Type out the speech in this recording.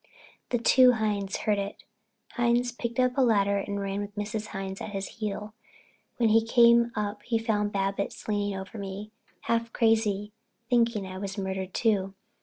The two Hines heard it. Hines picked up a lantern and ran with Mrs. Hines at his heels. When he came up he found Babbitts kneeling over me, half crazy, thinking I was murdered, too.